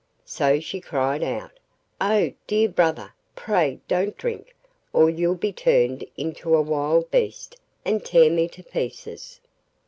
So she cried out, 'Oh! dear brother, pray don't drink, or you'll be turned into a wild beast and tear me to pieces.